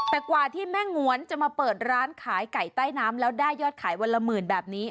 แต่กว่าที่แม่งวนจะมาเปิดร้านขายไก่ใต้น้ำแล้วได้ยอดขายวันละหมื่นแบบนี้